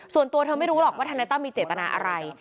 ส่วนตัวเธอไม่รู้หรอกว่าทนายตั้มมีเจตนาอะไร